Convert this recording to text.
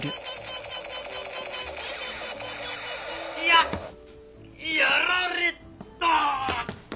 やっやられたー！